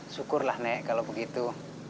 syukurlah nek kalau begitu